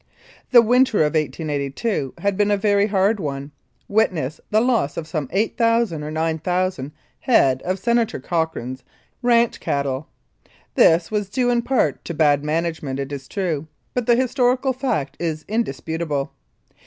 The winter of 1882 had been a very hard one witness the loss of some 8,000 or 9,000 head of Senator Cochrane's ranch cattle. This was due in part to bad management, it is true, but the historical fact is indisputable.